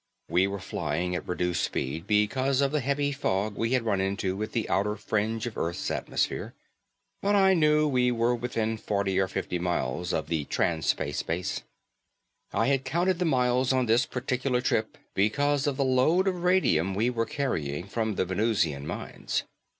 We were flying at reduced speed because of the heavy fog we had run into at the outer fringe of Earth's atmosphere. But I knew we were within forty or fifty miles of the Trans Space base. I had counted the miles on this particular trip because of the load of radium we were carrying from the Venusian mines.